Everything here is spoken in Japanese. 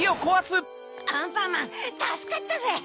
アンパンマンたすかったぜ！